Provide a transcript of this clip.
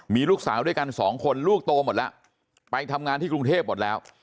มีลูกสาวด้วยกันสองคนลูกโตหมดแล้วไปทำงานที่กรุงเทพหมดแล้ว